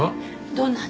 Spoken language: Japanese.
どんな話？